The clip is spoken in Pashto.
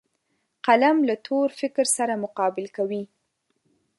قلم له تور فکر سره مقابل کوي